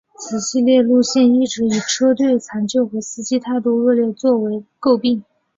此系列路线一直以车队残旧和司机态度恶劣作为垢病。